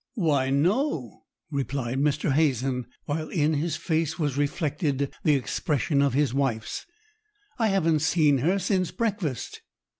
"Why, no!" replied Mr. Hazen, while in his face was reflected the expression of his wife's; "I haven't seen her since breakfast."